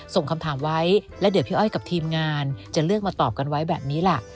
ส่งคำถามไว้แล้วเดี๋ยวพี่อ้อยกับทีมงานจะเลือกมาตอบกันไว้แบบนี้ล่ะ